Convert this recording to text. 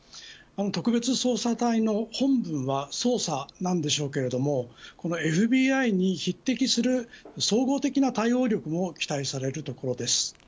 この特別捜査隊の本分は捜査なんでしょうけれどＦＢＩに匹敵する総合的な対応力も期待されるところです。